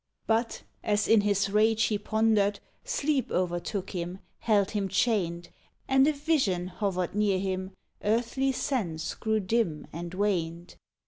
But, as in his rage he pondered, Sleep o'ertook him, held him chained, And a vision hovered near him Earthly sense grew dim and waned.